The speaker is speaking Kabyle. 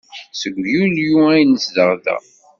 Seg Yulyu ay nezdeɣ da.